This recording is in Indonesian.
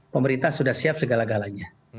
pemerintah sudah siap segala galanya